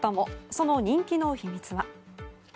その人気の秘密は。